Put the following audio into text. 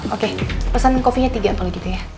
oke pesan kopinya tiga kalau gitu ya